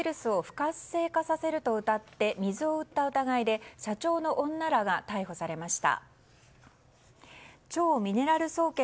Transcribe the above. インフルエンザウイルスを不活性化させるとうたって水を売った疑いで社長の女らが逮捕されました。